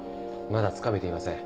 まだつかめていません。